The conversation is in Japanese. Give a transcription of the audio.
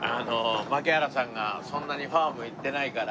槙原さんがそんなにファーム行ってないから。